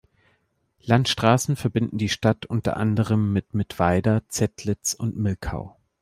Landstraßen verbinden die Stadt unter anderem mit Mittweida, Zettlitz und Milkau.